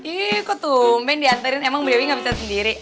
ih kok tumpen dianterin emang bu dewi gak bisa sendiri